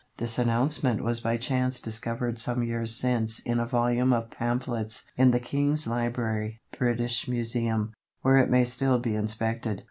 This announcement was by chance discovered some years since in a volume of pamphlets in the "King's Library," British Museum, where it may still be inspected.